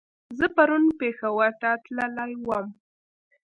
زه پرون پېښور ته تللی ووم